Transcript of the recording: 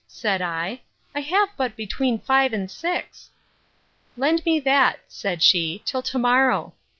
said I, I have but between five and six. Lend me that, said she, till to morrow.